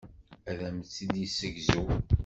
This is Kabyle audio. Ad am-tt-id-yessegzu.